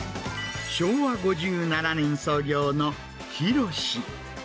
昭和５７年創業のひろし。